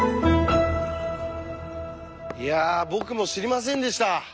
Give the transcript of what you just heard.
いや僕も知りませんでした。